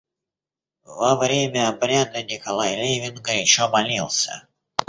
Во время обряда Николай Левин горячо молился.